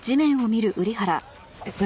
えっ何？